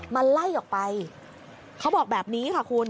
มันไล่ออกไปเขาบอกแบบนี้ค่ะคุณ